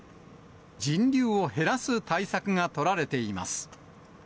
人流を減らす対策が取られています。